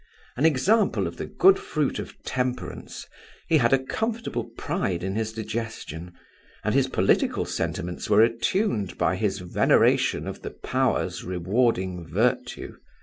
An example of the good fruit of temperance, he had a comfortable pride in his digestion, and his political sentiments were attuned by his veneration of the Powers rewarding virtue.